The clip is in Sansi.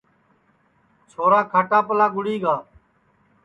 چھورا کھاٹاپلا گُڑی گا